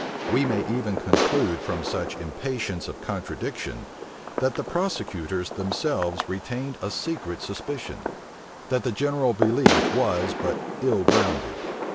We may even conclude from such impatience of contradiction, that the prosecutors themselves retained a secret suspicion, that the general belief was but ill grounded.